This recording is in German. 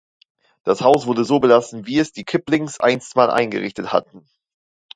Das Haus wurde so belassen, wie es die Kiplings einstmals eingerichtet hatten.